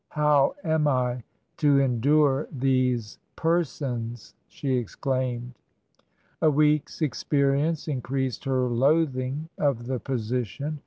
" How am I to endure these persons f* she exclaimed. A week's experience increased her loathing of the position.